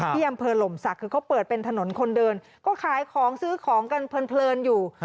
ที่อำเภอหล่มศักดิ์คือเขาเปิดเป็นถนนคนเดินก็ขายของซื้อของกันเพลินอยู่